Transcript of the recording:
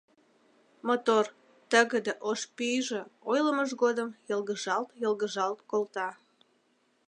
Мотор, тыгыде ош пӱйжӧ ойлымыж годым йылгыжалт-йылгыжалт колта.